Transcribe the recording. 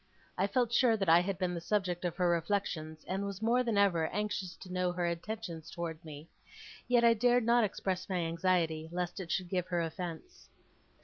I felt sure that I had been the subject of her reflections, and was more than ever anxious to know her intentions towards me. Yet I dared not express my anxiety, lest it should give her offence.